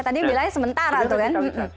tadi bilangnya sementara tuh kan